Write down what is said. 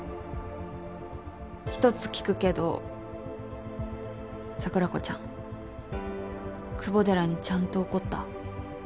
１つ聞くけど桜子ちゃん久保寺にちゃんと怒った？